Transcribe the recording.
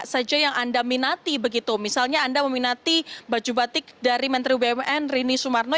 apa saja yang anda minati begitu misalnya anda meminati baju batik dari menteri bumn rini sumarno